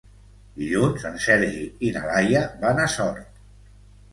Dilluns en Sergi i na Laia van a Sort.